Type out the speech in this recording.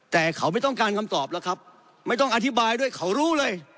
แต่เขาไม่ต้องการคำตอบแล้วครับไม่ต้องอธิบายด้วยเขารู้เลย